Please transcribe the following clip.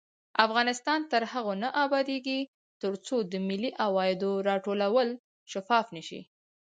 افغانستان تر هغو نه ابادیږي، ترڅو د ملي عوایدو راټولول شفاف نشي.